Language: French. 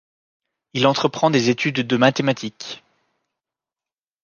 Il entreprend des études de mathématiques.